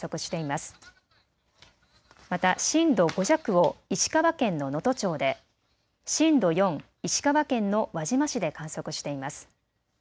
また震度５弱を石川県の能登町で、震度４、石川県の輪島市で観測しています。